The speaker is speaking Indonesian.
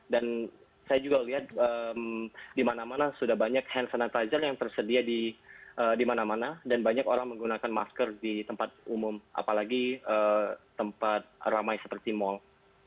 dan saya juga lihat di mana mana sudah banyak hand sanitizer yang tersedia di mana mana dan banyak orang menggunakan masker di tempat umum apalagi tempat ramai seperti mall